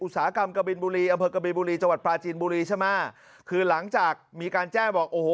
ซีเซียม๑๓๗